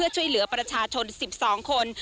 ช่วยเหลือประชาชน๑๒คน